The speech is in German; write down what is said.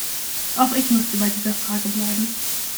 Auch ich möchte bei dieser Frage bleiben.